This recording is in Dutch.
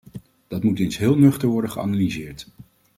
Dat moet eens heel nuchter worden geanalyseerd.